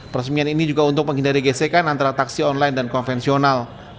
peresmian ini juga untuk menghindari gesekan antara taksi online dan konvensional